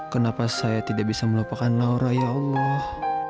kenapa saya tidak bisa melupakan laura ya allah